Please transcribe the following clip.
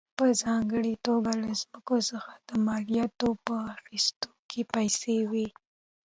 په ځانګړې توګه له ځمکو څخه د مالیاتو په اخیستو کې پیسې وې.